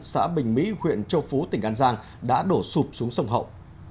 xã bình mỹ huyện châu phú tỉnh an giang đã đổ sụp xuống sông hậu